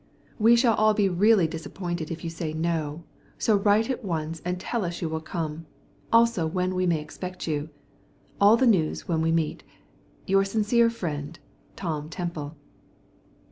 We shall all be really disappointed if you say 'no,' so write at once and tell us you will come, also when we may expect you. All the news when we meet. Your sincere friend, Tom Temple.